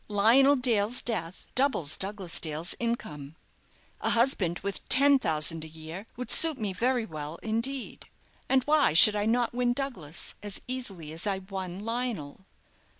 Lionel Dale's death doubles Douglas Dale's income. A husband with ten thousand a year would suit me very well indeed. And why should I not win Douglas as easily as I won Lionel?"